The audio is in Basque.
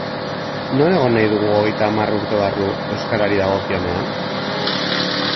Non egon nahi dugu hogeita hamar urte barru euskarari dagokionean?